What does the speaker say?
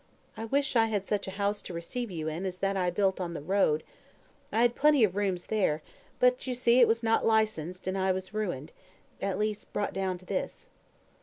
I wish I had such a house to receive you in as that I built on the Road. I had plenty rooms there; but you see it was not licensed, and I was ruined at least brought down to this."